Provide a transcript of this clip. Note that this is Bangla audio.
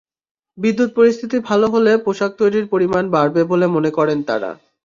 বিদ্যুৎ-পরিস্থিতি ভালো হলে পোশাক তৈরির পরিমাণ বাড়বে বলে মনে করেন তাঁরা।